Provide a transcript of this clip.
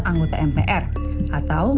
anggota mpr atau